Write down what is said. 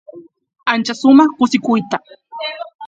ancha sumaq kusikuyta